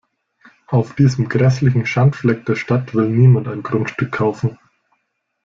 Auf diesem grässlichen Schandfleck der Stadt will niemand ein Grundstück kaufen.